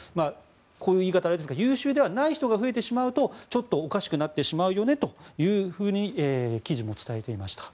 こういう言い方はあれですが優秀ではない人が増えるとちょっとおかしくなってしまうよねと記事も伝えていました。